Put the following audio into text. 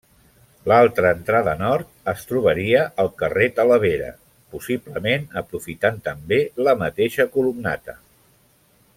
L'altra entrada nord es trobaria al carrer Talavera, possiblement aprofitant, també, la mateixa columnata.